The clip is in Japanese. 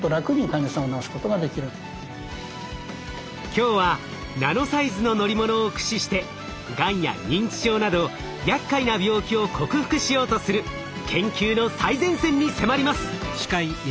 今日はナノサイズの乗り物を駆使してがんや認知症などやっかいな病気を克服しようとする研究の最前線に迫ります！